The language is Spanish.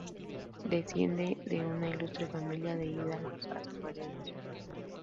Desciende de una ilustre familia de hidalgos asturianos.